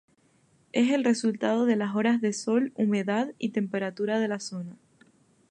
Es el resultado de las horas de sol, humedad y temperatura de la zona.